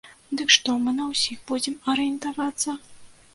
Дык што, мы на ўсіх будзем арыентавацца?